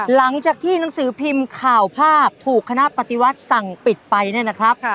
หลังจากที่หนังสือพิมพ์ข่าวภาพถูกคณะปฏิวัติสั่งปิดไปเนี่ยนะครับ